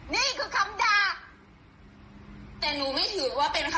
ในที่หนูพิมพ์ไปยังไม่มีคำด่าเลยนะคะ